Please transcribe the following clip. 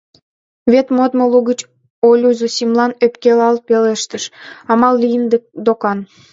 Вет модмо лугыч Олю Зосимлан ӧпкелалт пелештыш: амал лийын докан.